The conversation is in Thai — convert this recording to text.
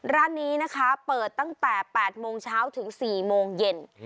ร้านนี้นะคะเปิดตั้งแต่๘โมงเช้าถึง๔โมงเย็น